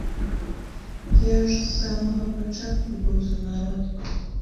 Я ж з самага пачатку быў за народ.